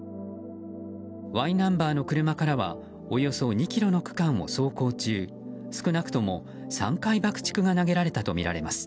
Ｙナンバーの車からはおよそ２ｋｍの区間を走行中少なくとも３回爆竹が投げられたとみられます。